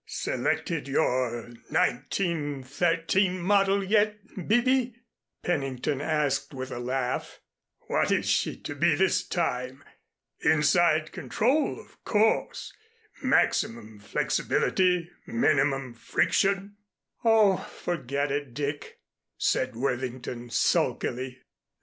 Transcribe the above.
"Selected your 1913 model yet, Bibby?" Pennington asked with a laugh. "What is she to be this time? Inside control, of course, maximum flexibility, minimum friction " "Oh, forget it, Dick," said Worthington, sulkily.